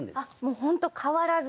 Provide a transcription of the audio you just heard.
ホント変わらず。